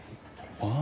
あ。